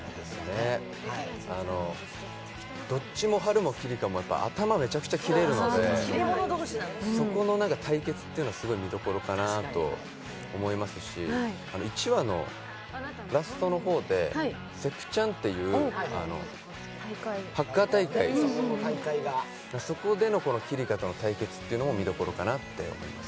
どっちも、ハルもキリカもめちゃくちゃ頭がきれるのでそこの対決っていうのがすごい見どころかなと思いますし、１話のラストの方でセクチャンというハッカー大会、そこでのキリカとの対決というのも見どころかなと思います。